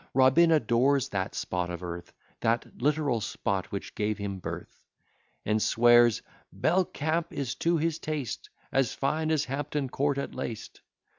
Robin adores that spot of earth, That literal spot which gave him birth; And swears, "Belcamp is, to his taste, As fine as Hampton court at least."